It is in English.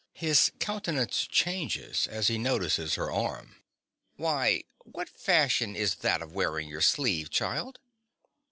(His countenance changes as he notices her arm.) Why, what fashion is that of wearing your sleeve, child?